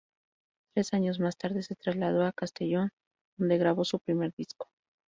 Tres años más tarde se trasladó a Castellón donde grabó su primer disco.